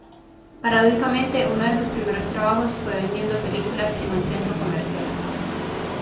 Paradójicamente, uno de sus primeros trabajos fue vendiendo películas en un centro comercial.